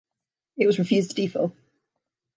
It was refused a D. Phil.